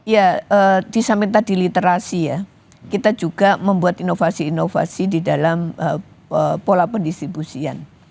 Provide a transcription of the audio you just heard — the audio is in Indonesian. ya di samping tadi literasi ya kita juga membuat inovasi inovasi di dalam pola pendistribusian